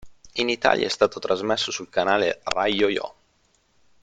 In Italia è stato trasmesso sul canale Rai YoYo.